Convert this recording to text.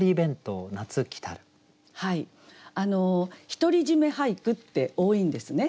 独り占め俳句って多いんですね。